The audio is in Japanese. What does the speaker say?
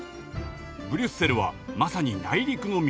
ブリュッセルはまさに内陸の港町。